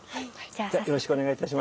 よろしくお願いします。